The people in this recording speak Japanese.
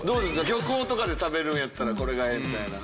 漁港とかで食べるんやったらこれがええみたいな。